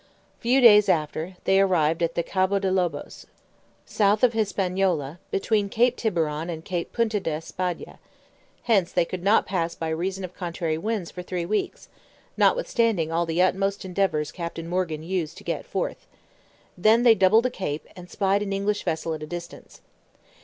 Few days after, they arrived at the Cabo de Lobos, south of Hispaniola, between Cape Tiburon and Cape Punta de Espada: hence they could not pass by reason of contrary winds for three weeks, notwithstanding all the utmost endeavours Captain Morgan used to get forth; then they doubled the cape, and spied an English vessel at a distance.